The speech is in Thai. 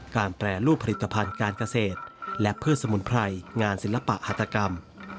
แปรรูปผลิตภัณฑ์การเกษตรและพืชสมุนไพรงานศิลปะหัตกรรม